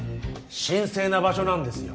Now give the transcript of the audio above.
神聖な場所なんですよ